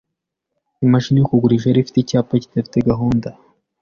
Imashini yo kugurisha yari ifite icyapa kidafite gahunda.